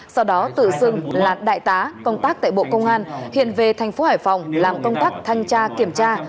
sau đó tự xưng là đại tá công tác tại bộ công an hiện về thành phố hải phòng làm công tác thanh tra kiểm tra